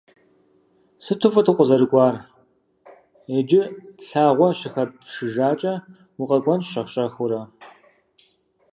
Сыту фӏыт укъызэрыкӏуар. Иджы лъагъуэ щыхэпшыжакӏэ, укъэкӏуэнщ щӏэх-щӏэхыурэ.